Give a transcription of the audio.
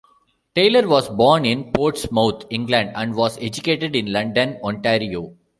Taylor was born in Portsmouth, England, and was educated in London, Ontario.